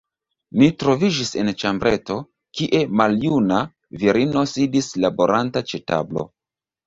Ni troviĝis en ĉambreto, kie maljuna virino sidis laboranta ĉe tablo.